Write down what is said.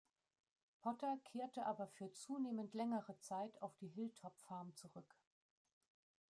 Potter kehrte aber für zunehmend längere Zeit auf die Hill-Top-Farm zurück.